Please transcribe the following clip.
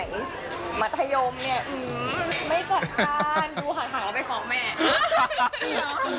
เยอะมากตั้งแต่เด็กตั้งแต่สมัยมัธยมเนี่ย